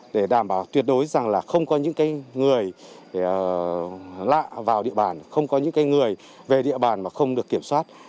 để đảm bảo tuyệt đối rằng là không có những người lạ vào địa bàn không có những người về địa bàn mà không được kiểm soát